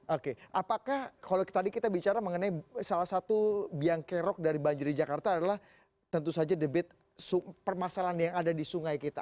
oke apakah kalau tadi kita bicara mengenai salah satu biang kerok dari banjir di jakarta adalah tentu saja debit permasalahan yang ada di sungai kita